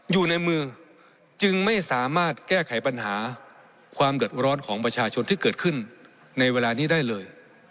อยู่ในมือจึงไม่สามารถแก้ไขปัญหาความเดือดร้อนของประชาชนที่เกิดขึ้นในเวลานี้ได้เลย